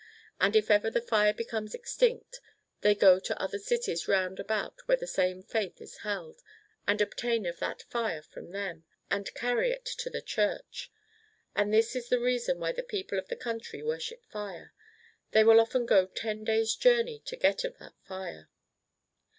And if ever the fire becomes extinct they go to other cities round about where the same faith is held, and obtain of that fire from them, and carry it to the church. And this is the reason why the people of this country worship fire. They will often go ten days' journey to get of that fire.